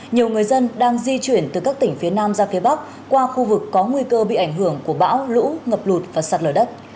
nhiều người dân đang di chuyển từ các tỉnh phía nam ra phía bắc qua khu vực có nguy cơ bị ảnh hưởng của bão lũ ngập lụt và sạt lở đất